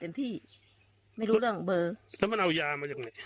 ที่ไม่รู้เรื่องของเบอร์แล้วมันเอายามาจากไหน